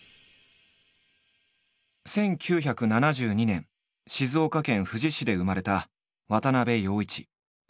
１９７２年静岡県富士市で生まれた渡部陽一。